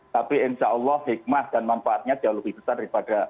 tapi insyaallah hikmah dan manfaatnya jauh lebih besar daripada yang lain